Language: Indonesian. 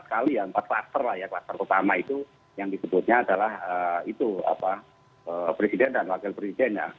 empat kali ya empat klaster lah ya klaster utama itu yang disebutnya adalah itu presiden dan wakil presiden ya